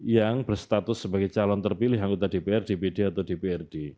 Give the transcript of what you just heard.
yang berstatus sebagai calon terpilih anggota dpr dpd atau dprd